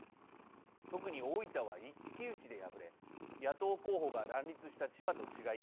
特に大分は一騎打ちで敗れ野党候補が乱立した千葉と違い